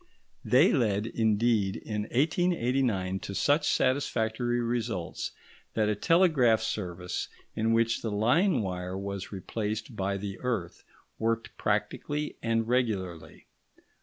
They led, indeed, in 1889 to such satisfactory results that a telegraph service, in which the line wire was replaced by the earth, worked practically and regularly.